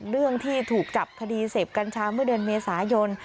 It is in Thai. เรื่องที่ถูกจับคดีเสพกัญชาเมื่อเดือนเมษายน